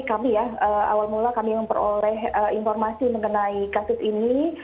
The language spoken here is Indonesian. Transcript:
awal mula kami memperoleh informasi mengenai kasus ini